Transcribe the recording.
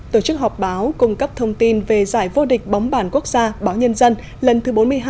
tổ chức họp báo cung cấp thông tin về giải vô địch bóng bản quốc gia báo nhân dân lần thứ bốn mươi hai